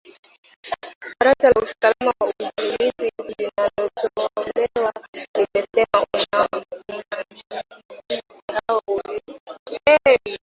Baraza la usalama na ulinzi linalotawala limesema uamuzi huo ulitolewa katika mkutano ulioongozwa na kiongozi wa kijeshi , Jenerali Abdel Fattah al Burhan